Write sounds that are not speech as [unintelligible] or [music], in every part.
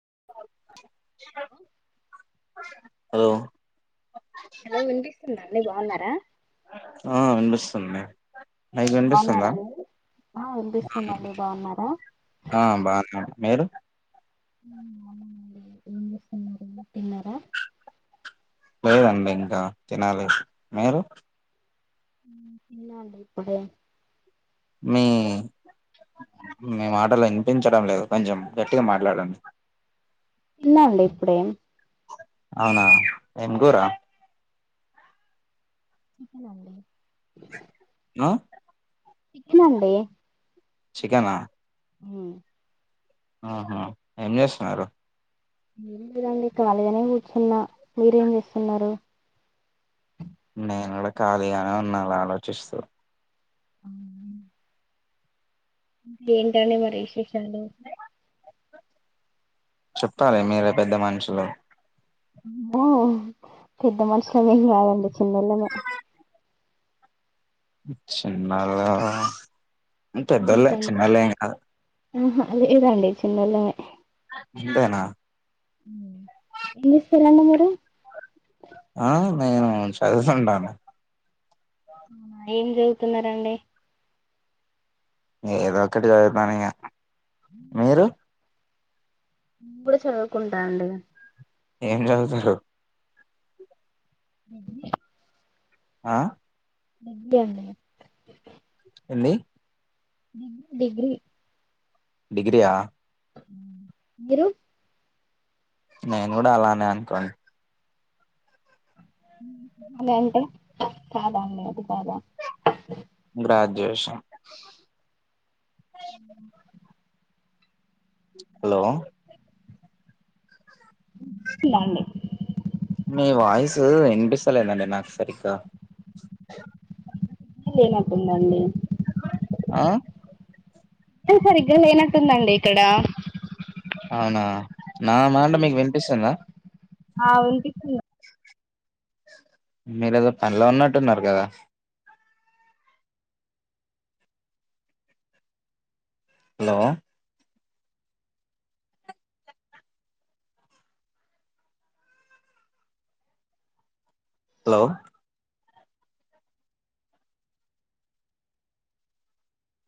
[inaudible] Hello hello hello వినిపిస్తుందా అండి బాగున్నారా ఆ వినిపిస్తుంది మీకు బాగున్నారా వినిపిస్తుందా అండి ఆ వినిపిస్తుందండి బాగున్నారా ఆ బానే మీరు హ్మ్ అవును అండి ఏం చేస్తున్నారు తిన్నారా లేదండి ఇంకా తినాలి మీరు హ్మ్ తిన్నా అండి ఇప్పుడే మీ మీ మాటలు వినిపించడం లేదు కొంచెం గట్టిగా మాట్లాడండి తిన్నా అండి ఇప్పుడే అవునా ఏం కూరా చికెన్ అండి ఆ చికెన్ అండి చికెనా ఉమ్ ఆహా ఏం చేస్తున్నారు ఏం లేదండి ఖాళీగానే కూర్చున్న మీరేం చేస్తున్నారు నేను కూడా ఖాళీగానే ఉన్న అలా ఆలోచిస్తూ అ ఏంటండీ మరి విశేషాలు చెప్పాలి మీరే పెద్ద మనుషులు అబ్బో పెద్ద మనుషుల మేం కాదండి చిన్నోళ్ళమే చిన్నోళ అంతే పెద్దోళ్ళే మీకంటే చిన్నోళ్ళు ఏం కాదు ఆహా లేదండి చిన్నోల్లమే అంతేనా ఏం చేస్తారండీ మీరు ఆ నేను చదువుతుంటాను అవునా ఏం చదువుతున్నారండి ఏదో ఒకటి చదువుతాను ఇగ మీరు ఇప్పుడే చదువుకుంటాండుగా ఏం చదువుతారు డిగ్రీ ఆ డిగ్రీ అన్నయ్య ఏంది డిగ్రీ డిగ్రీ ఆ మీరు నేను కూడా అలానే అనుకోండి అదే అంటే కాదా అండి అది కాదా గ్రాడ్యుయేషన్ హలో వినిపిస్తుందా అండి మీ వాయిసు వినిపిస్తలేదండి నాకు సరిగ్గా సిగ్నల్ లేనట్టు ఉందండి ఆ సిగ్నల్ సరిగ్గా లేనట్టుందండి ఇక్కడ అవునా నా మాట మీకు వినిపిస్తుందా ఆ వినిపిస్తుందం మీరు ఏదో పనిలో ఉన్నట్టున్నారు కదా హలో హలో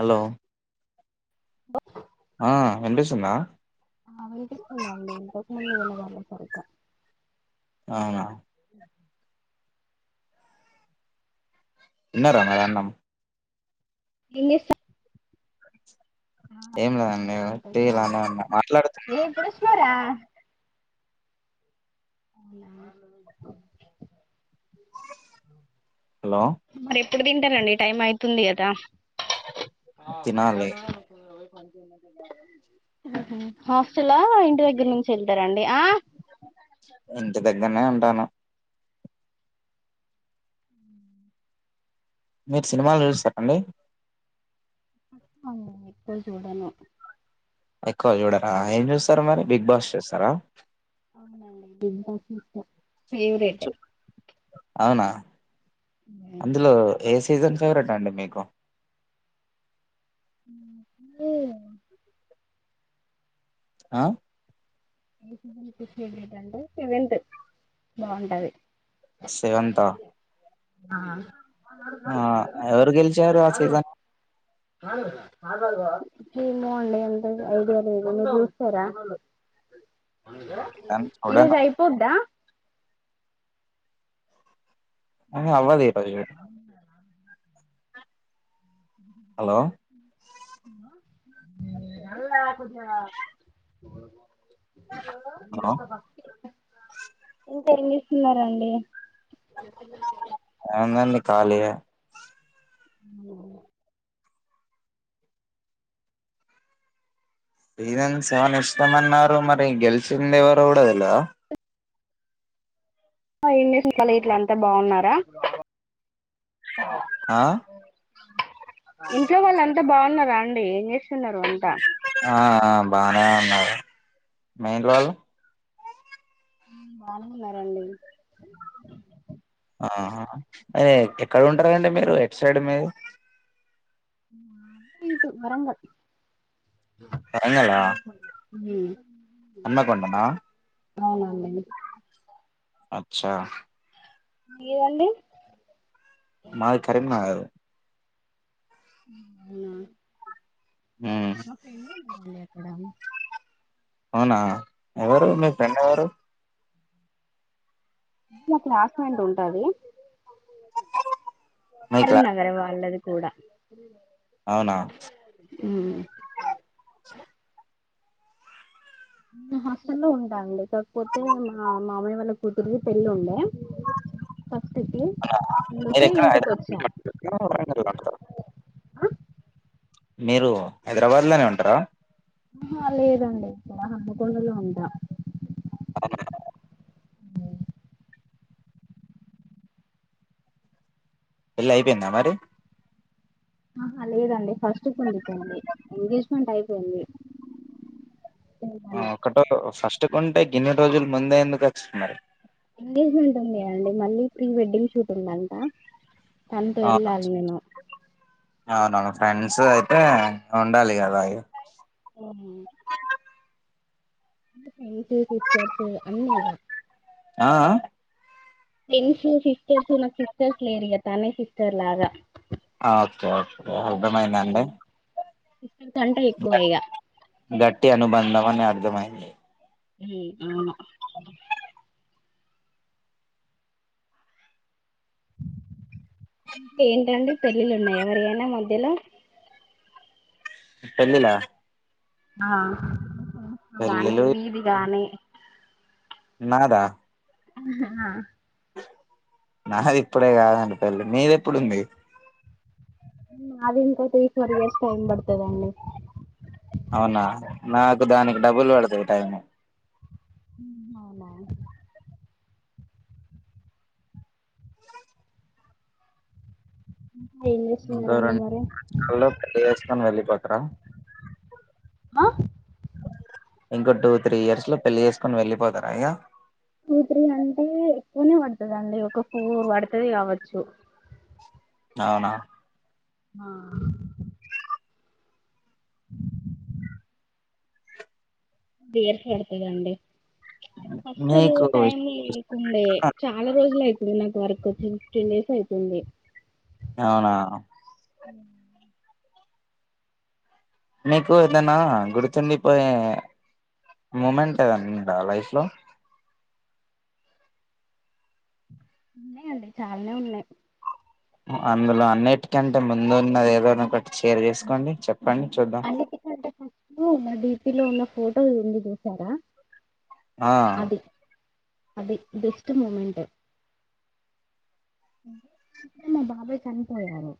హలో లో ఆ వినిపిస్తుందా ఆ వినిపిస్తుందండి ఇంత ముందుకు వినబలే సరిగా అవునా తిన్నారా మరి అన్నం ఏం చేస్తారు ఏం లేదండి టీ ఇంతకు ముందు ఇలానే ఉన్నా మాట్లాడుతున్నా ఏ ఇప్పుడు వస్తున్నావురా అవునా హలో మరి ఎప్పుడు తింటారండి టైం అయితుంది కదా తినాలి హాస్టల్ ఇంటి దగ్గర నుంచి వెళ్తారండి ఆ ఇంటి దగ్గరనే ఉంటాను మీరు సినిమాలు చూస్తారా అండి అవునండి ఎక్కువ చూడను ఎక్కువ చూడరా ఏం చేస్త స్తార మరి ఆ బిగ్ బాస్ చేస్తారా అవునండి బిగ్ బాస్ ఇష్టం ఫేవరెట్ అవునా మీకు అందులో ఏ సీజన్ ఫేవరెట్ అండి మీకు ఏ ఆ [unintelligible] ఏంటి అంటే సెవెంత్ బాగుంటది సెవెంత్ ఆ ఆ ఆ ఎవరు గెలిచారు ఆ సీజన్ ఏమో అండి అంత ఐడియా లేదు మీరు చూస్తారా కానీ ఈరోోజు చూడను అయిపోద్దా ఆహా, అవ్వదు ఈ రోజు అ హలో నల్ కొంచ హలో చెప్ప బా ఇంకా ఏం చేస్తున్నారండి ఏముందండి ఖాళీయే ఆ పనెన్స్ ఏమన్ ఇష్టమ అన్నారు మరి గెలిచింది ఎవరు కూడా తెలీదా ఇంగ్లీష్ కాల ఇట్ల అంతా బాగున్నారా ఆ ఇంట్లో వాళ్ళు అంతా బాగున్నారా అండి ఏం చేస్తున్నారు అంతా ఆ ఆ, బానే ఉన్నారు మీ ఇంటి వాళ్ళు బానే ఉన్నారంండి ఆ అదే ఎక్కడ ఉంటారండి మీరు ఎట్టు సైడ్ మీది మాది ఇటు వరంగల్ [inaudible] హ అమ్న్న కొండనా అవునండి అచ్చా మీదండి మాది కరీంనగర్ హ్మ్మ్ అవునా మ్మ్ మా ఫ్రెండ్ ఉంది అండి అక్కడా అవునా అక్కడ ఎవరు ఉమ్, మీ ఫ్రెండ్ ఎవరు నా క్లాస్మేట్ ఉంటది. మీ క్లా కరీంనగర్ వాళ్లది. కూడా అవునా నేను హాస్టల్లో ఉంటా అండి కాకపోతే మా మామయ్య వాళ్ళ కూతురిది పెళ్లి ఉండే ఫ అ మీరు ఎక్కడ వచ్చా హైదరాబాద్ మీరు హైదరాబాద్ లోనే ఉంటారా ఆహా లేదండి ఇక్కడ హనుమకొండలో ఉంటా అవును పెళ్లి అయిపోయిందా మరి ఆహా లేదండి ఫస్ట్కి ఉంది పెళ్లి ఎంగేజ్మెంట్ అయిపోయింది. ఆ ఒకట ఫస్ట్ కొంటే గిన్నె రోజులు ముందే ఎందుకు వచ్చినారు ఎంగేజ్మెంట్ ఉంది కదండీ మళ్ళీ ప్రీ వెడ్డింగ్ షూట్ ఉందంట తనతో ఎళ్లాలి నేను అవునా ఫ్రెండ్స్ అయితే ఉండాలి కదా ఇగ హమ్ అన్ని ఇల ఆ ఫ్రెండ్స్ సిస్టర్స్ నాకు సిస్టర్స్ లేరూ తనే సిస్టర్ లాగా ఓకే ఓకే అర్థమైందండి ఇ [inaudible] తంట ఎక్కువ గ- ఇగ గట్టి అనుబంధం అని అర్థమైంది అవును ఇంకా ఏంటండి పెళ్లిళ్లు ఉన్నాయా ఎవరి ఐనా మధ్యల పెళ్లిల ఆ గానీ పెళ్ళిలు నీది గాని నాదా ఆ నాది ఇప్పుడే కాదండి పెళ్లి నీది ఎప్పుడుంది నాది ఇంకా త్రీ ఫోర్ ఇయర్స్ టైమ్ పడతది అండి అవునా నాకు దానికి డబలు పడతాయి టైము మ్ అవునా ఏం ఇంకా చేస్తున్నారండి రం మరి [unintelligible] పెళ్లి చేస్కోని వెళ్ళిపో తరు ఆ ఇంకో టూ త్రీ ఇయర్స్ లో పెళ్లి చేసుకొని వెళ్ళిపోతారా ఇగ టూ త్రి అంటే ఎక్కువనే పడతదండి ఒకొక ఉరు పడుతది కావచ్చు అవునా ఆ దేరు పెటతదండి అస్సలు నీకు టైం ఇష్టం లేకుండే చాలా రోజులు అయి ఇ నాకు వర్కు ఫిఫ్టీన్ డేస్ అయితుంది అవునా మీకు ఏదనా గుర్తుండిపోయే మూమెంట్ ఏదన్నా ఉందా లైఫ్ లో ఉన్నాయండి చాలానే ఉన్నాయి అందులో అన్నిటికంటే ముందు ఉన్నది ఏదోన్న ఒకటి షేర్ చేసుకోండి చెప్ చెప్పండి చూద్దాం మా డడిపీలో ఉన్న ఫోటోలు ఎందు చూసారా ఆ అది అది బెస్ట్ మూమెంట్ మా బాబాయ చనిపోయారు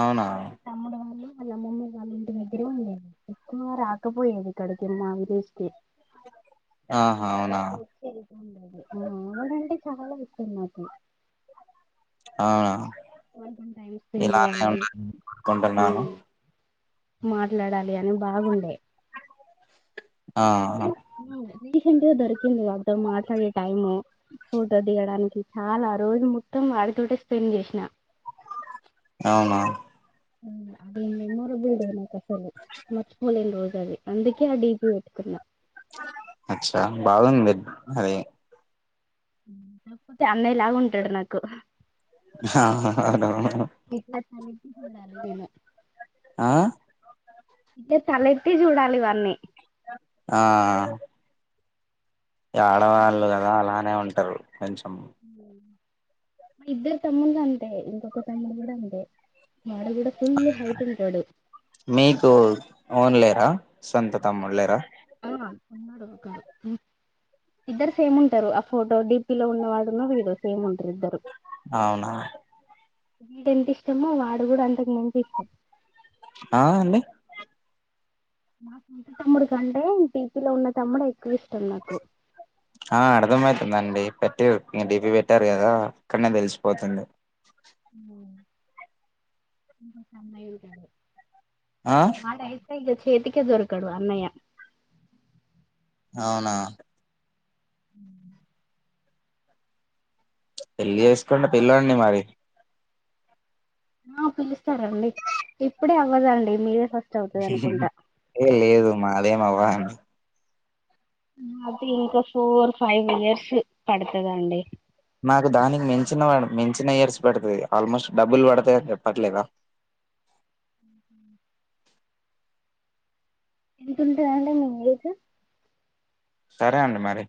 అవునా ఇ మ తమ్ముడు వాళ్ళు అళ్ళ మమ్మ వాళ్ళ ఇంటి దగ్గరే ఉండేది ఎక్కువ రాకపోయేది ఇక్కడికి మా విదస్కి ఆహా అవునా ఉండదు ఆ ఆవిడంటే చాలా ఇష్టం నాకు అవునా వాళ్ళతో టైం స్పెండ్ ఇలానే చేయాలి ఉన్నాాల కోరుకుంటున్నాను ఉమ్, మాట్లాడాలి అని బాగుండే ఆ కాకపోతే రీసెంట్ గా దొరికింది వాతో మాట్లాడే టైము ఫోటో దియడానికి చాలా రోజు మొత్తం వాడితోట స్పెండ్ చేసిన అవునా అది మెమోరబుల్ డేనా కసలు మర్చిపోని రోజు అది అందుకే ఆ డిపి పెట్టుకున్న అచ్చ బాగుంది కాకపోతే అన్నయ్య లాగా ఉంటాడు నాకు అవునవును [unintelligible] ఆ అంటే తల ఎత్తి చూడాలివన్నీ ఆ మా ఆడవాళ్ళు ఇ- కదా అలానే ఉంట కొంచం మా ఇద్దరు తమ్ముళ్లు అంతే ఇంకొక తమ్ముడు కూడా అంతే మాడ కూడా ఫుల్ హైట్ ఉంటాడు మీకు ఓన్ సొంత తాముళ్ళేరా ఉన్నాడు ఒకడు ఇద్దరు సేమ్ ఉంటారు ఆ ఫోటో డిపిలో ఉన్నవాడున్న వీడిసేమ్ ఉంట అవునా ఇంట ఎంత ఇష్టమో వాడు కూడా అంతకు మంచి ఇష్టం ఆ అండి నా సొంత తమ్ముడు కంటే డిపీలో ఉన్న తమ్ముడు ఇష్టం నాకు ందండి పెట్టి మీ డీపీ పెట్టారు కదా అక్కడనే తెలిసిపోతుంది ఇకా సమయంంటదు ఆ వాడు అయితే [unintelligible] చేతికి దొరుకడు అన్నయ్య అవునా అ పెళ్ళి చేసుకుంటే పిల్లాడిని మరి ఆ పిలుస్తారంండి ఇప్పుడే అవ్వదాండి మీరే అవుతది అనుకుంటా ఏ లేదు మాది ఏేమవా అది ఇంకా ఫోర్ ఫైవ్ ఇయర్స్ పడుతుదండి నాకు దానికి మించిన మించిన ఇయర్స్ పెడుతుంది ఆల్మోస్ట్ డబ్బులు పడతాయని చెప్పట్లేదా ఎతుంటారండి మీంగ్ేజ సరే అండి మరి